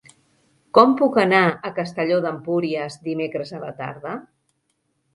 Com puc anar a Castelló d'Empúries dimecres a la tarda?